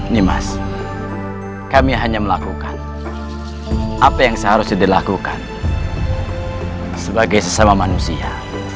nih mas kami hanya melakukan apa yang seharusnya dilakukan sebagai sesama manusia